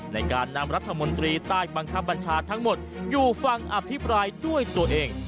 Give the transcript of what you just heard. ในการนำรัฐมนตรีใต้บังคับบัญชาทั้งหมดอยู่ฟังอภิปรายด้วยตัวเอง